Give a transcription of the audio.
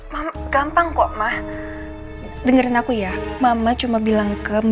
ya gitu doang kok sagtopen if you like masiqav sami